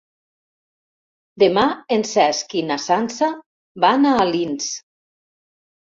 Demà en Cesc i na Sança van a Alins.